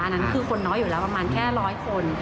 อันนั้นคือคนน้อยอยู่แล้วประมาณแค่ร้อยคน